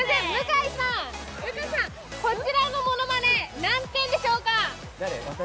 向井さん、こちらのものまね何点でしょうか？